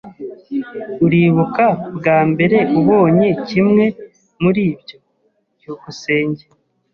Uribuka bwa mbere ubonye kimwe muri ibyo? byukusenge